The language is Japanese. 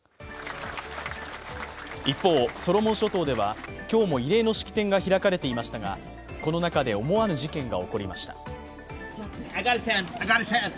一方、ソロモン諸島では今日も慰霊の式典が開かれていましたがこの中で思わぬ事件が起こりました。